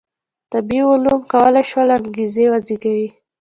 طبیعي عواملو کولای شول چې انګېزې وزېږوي.